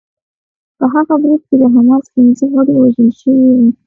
په هغه برید کې د حماس پنځه غړي وژل شوي وو